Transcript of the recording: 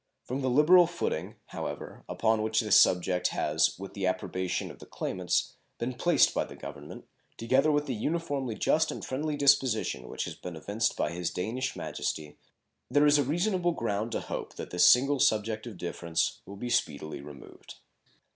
From the liberal footing, however, upon which this subject has, with the approbation of the claimants, been placed by the Government, together with the uniformly just and friendly disposition which has been evinced by His Danish Majesty, there is a reasonable ground to hope that this single subject of difference will speedily be removed.